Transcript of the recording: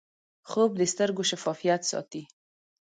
خوب د سترګو شفافیت ساتي